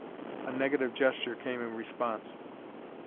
A negative gesture came in response.